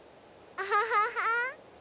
アハハハ。